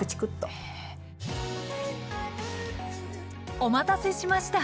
お待たせしました。